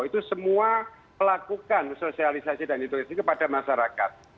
itu semua melakukan sosialisasi dan edukasi kepada masyarakat